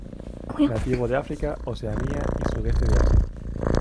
Nativo de África, Oceanía y sudeste de Asia.